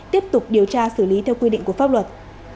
tiếp tục điều tra xử lý theo quy định của pháp luật